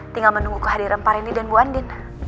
tinggal menunggu kehadiran pak reni dan bu andin